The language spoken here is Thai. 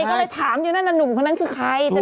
ก็เลยถามยังในหนุ่มคนนั้นคือใคร